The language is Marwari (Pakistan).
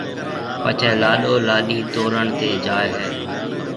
پڇيَ لاڏو لاڏِي تورڻ تيَ جائيَ ھيََََ